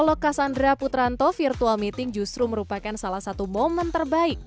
halo cassandra putranto virtual meeting justru merupakan salah satu momen terbaik